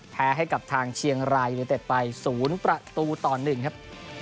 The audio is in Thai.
ให้กับทางเชียงรายยูนิเต็ดไป๐ประตูต่อ๑ครับ